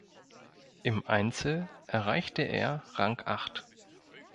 Im Einzel erreichte er Rang acht.